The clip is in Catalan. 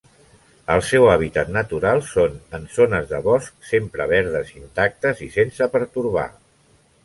El seu hàbitat natural són en zones de bosc sempre verdes intactes i sense pertorbar.